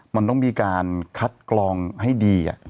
มันต้องมีการคัดกรองให้ดี